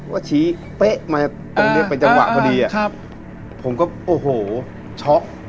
ก็ชี้เป๊ะมาตรงเนี้ยเป็นจังหวะพอดีอ่ะครับผมก็โอ้โหช็อก